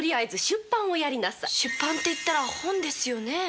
出版っていったら本ですよね？